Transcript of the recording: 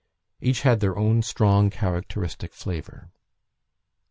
Each had their own strong characteristic flavour.